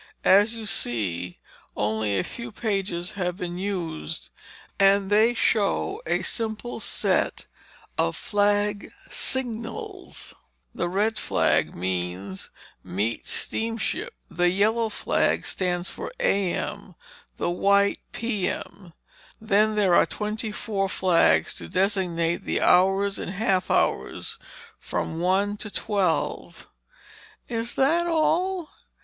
As you see, only a few pages have been used, and they show a simple set of flag signals. The red flag means: 'Meet Steamship.' The yellow flag stands for 'A.M.'; the white, 'P.M.' Then there are twenty four flags to designate the hours and half hours from one to twelve." "Is that all?"